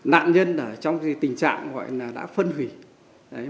nạn nhân trong tình trạng gọi là đã phân hủy